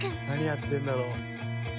何やってるんだろう？